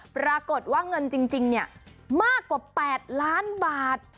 ปรากฏว่าเงินจริงมากกว่า๘ล้านบาท